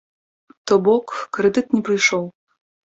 То бок, крэдыт не прыйшоў.